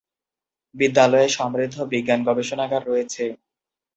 বিদ্যালয়ে সমৃদ্ধ বিজ্ঞান গবেষণাগার রয়েছে।